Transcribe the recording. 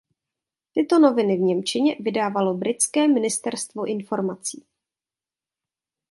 Tyto noviny v němčině vydávalo britské ministerstvo informací.